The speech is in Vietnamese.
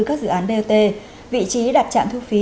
các dự án bot vị trí đặt trạm thu phí